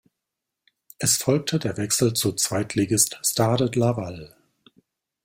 Es folgte der Wechsel zu Zweitligist Stade Laval.